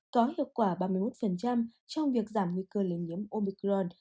có hiệu quả ba mươi một trong việc giảm nguy cơ lây nhiễm omicron